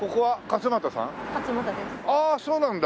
ああそうなんだ。